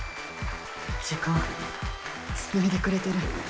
時間繋いでくれてる。